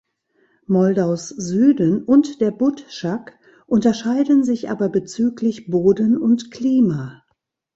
Moldaus Süden und der Budschak unterscheiden sich aber bezüglich Boden und Klima.